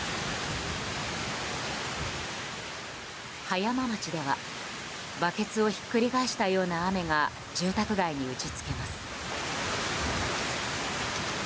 葉山町では、バケツをひっくり返したような雨が住宅街に打ち付けます。